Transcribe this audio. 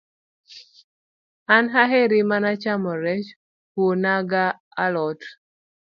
An aheri mana chamo rech, kuona ga alot